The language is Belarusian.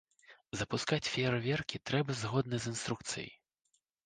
Запускаць феерверкі трэба згодна з інструкцыяй.